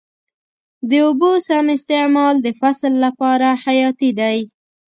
د اوبو سم استعمال د فصل لپاره حیاتي دی.